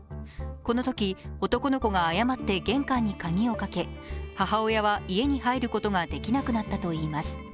このとき、男の子が誤って玄関に鍵をかけ母親は家に入ることができなくなったといいます。